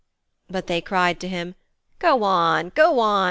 But they cried to him, 'Go on, go on.